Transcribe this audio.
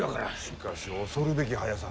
しかし恐るべき速さ。